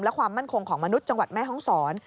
และความมั่นคงของมนุษย์จังหวัดแม่ห้องศร